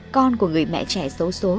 con của người mẹ trẻ xấu xố